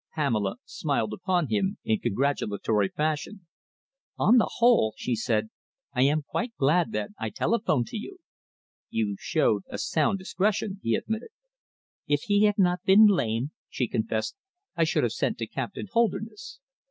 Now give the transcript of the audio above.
Pamela smiled upon him in congratulatory fashion. "On the whole," she said, "I am quite glad that I telephoned to you." "You showed a sound discretion," he admitted. "If he had not been lame," she confessed, "I should have sent to Captain Holderness."